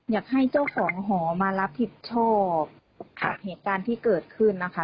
อยากให้เจ้าของหอมารับผิดชอบกับเหตุการณ์ที่เกิดขึ้นนะคะ